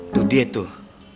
tuh dia tuh